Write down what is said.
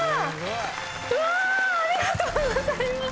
うわっありがとうございます